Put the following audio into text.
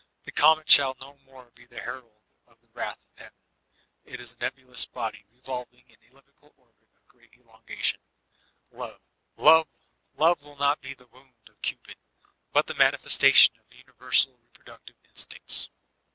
The comet shall no more be the herald of the wrath of heaven, it is a nebulous body revolving in an elliptical orbit of great elongation. Love — love will not be the wound of Cupid, but the manifestation of univer sal reproductive instincts.